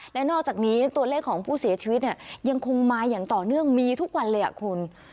และนอกจากนี้ตัวเลขของผู้เสียชีวิตเนี่ยยังคงมาอย่างต่อเนื่องมีทุกวันเลยอ่ะคุณ